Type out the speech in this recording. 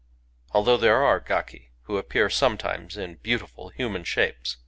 . Also there are gaki who appear sometimes in beauti ful human shapes.